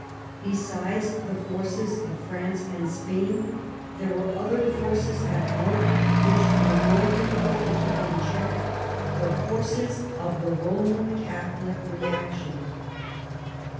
Besides the forces of France and Spain there were other forces at work which were more difficult to keep in check, the forces of the Roman Catholic reaction.